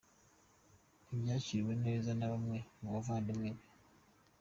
Ntibyakiriwe neza na bamwe mu bavandimwe be.